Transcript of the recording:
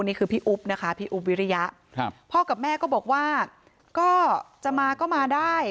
นี่คือพี่อุ๊บนะคะพี่อุ๊บวิริยะครับพ่อกับแม่ก็บอกว่าก็จะมาก็มาได้